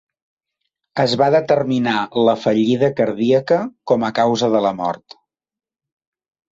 Es va determinar la fallida cardíaca com a causa de la mort.